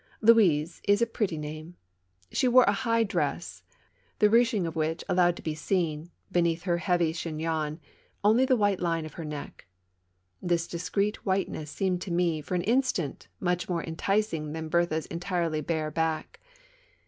Louise is a pretty name ! She wore a high dress, the ruching of which allowed to be seen, beneath her heavy chignon, only the white line of her neck. This discreet white ness seemed to me, for an instant, much more enticing than Berthe's entirely bare back.